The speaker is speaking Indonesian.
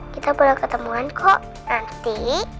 kita boleh ketemuan kok nanti